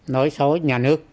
nói xấu nhà nước